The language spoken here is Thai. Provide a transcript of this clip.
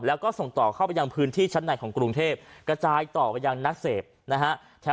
แล้วก็ส่งต่อเข้าไปยังพื้นที่ชั้นในของกรุงเทพกระจายต่อไปยังนักเสพนะฮะ